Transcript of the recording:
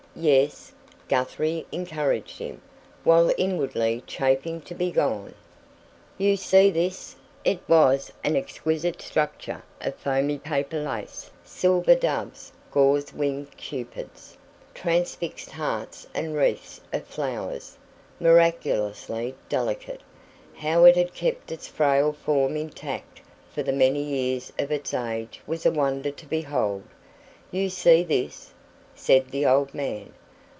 "Yes?" Guthrie encouraged him, while inwardly chafing to be gone. "You see this?" It was an exquisite structure of foamy paper lace, silver doves, gauzed winged Cupids, transfixed hearts and wreaths of flowers, miraculously delicate. How it had kept its frail form intact for the many years of its age was a wonder to behold. "You see this?" said the old man.